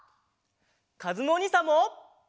かずむおにいさんも。